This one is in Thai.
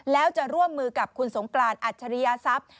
แล้วจะร่วมมือกับคุณสงกรานอัจฉริยทรัพย์